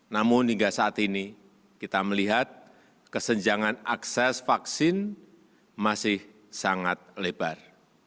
namun hingga saat ini kita melihat kesenjangan akses vaksin masih sangat lebar